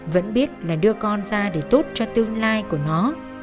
vẫn biết là đưa con ra để tốt cho tương lai của nó